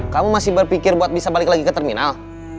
kamu masih berpikir buat bisa balik lagi ke terminal